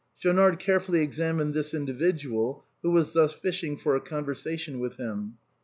Schaunard carefully examined this individual, who was thus fishing for a conversation with him.